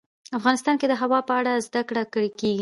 افغانستان کې د هوا په اړه زده کړه کېږي.